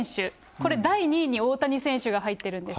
これ、第２位に大谷選手が入ってるんです。